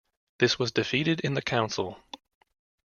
This was defeated in the council.